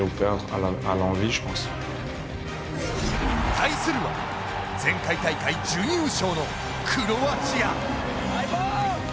対するは前回大会準優勝のクロアチア。